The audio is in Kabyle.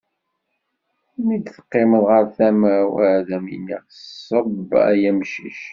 Mi d-teqqimeḍ ɣer tama-w, ad am-iniɣ ṣebb ay amcic.